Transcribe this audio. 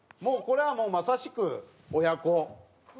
これはもうまさしく親子。